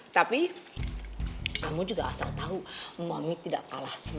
tapi kamu juga asal tahu mami tidak kalah smart sama kamu